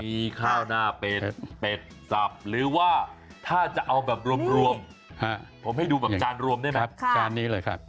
มีข้าวหน้าเป็ดเป็ดสับหรือว่าถ้าจะเอาแบบรวมผมให้ดูแบบจานรวมด้วยนะจานนี้เลยครับ